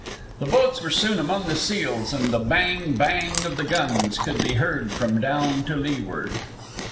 The boats were soon among the seals, and the bang! bang! of the guns could be heard from down to leeward.